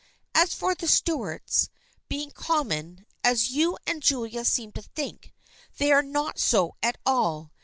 As for the Stuarts being com mon, as you and Julia seem to think, they are not so at all.